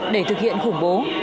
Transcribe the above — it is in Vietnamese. để thực hiện khủng bố